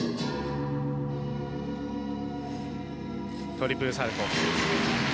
トリプルサルコウ。